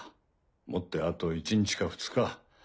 もってあと１日か２日。